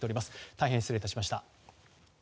大変失礼いたしました。